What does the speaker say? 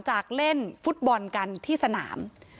จากเล่นฟุตบอลกันที่สนาม